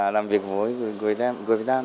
làm việc với người việt nam